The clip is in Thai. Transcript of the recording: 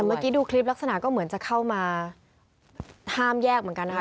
เมื่อกี้ดูคลิปลักษณะก็เหมือนจะเข้ามาห้ามแยกเหมือนกันนะคะ